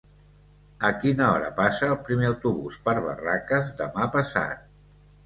A quina hora passa el primer autobús per Barraques demà passat?